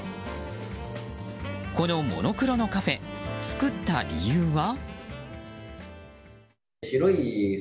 このモノクロのカフェ作った理由は？